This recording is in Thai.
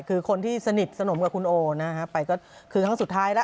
คือคนที่สนิทสนมกับคุณโอนะฮะไปก็คือครั้งสุดท้ายแล้ว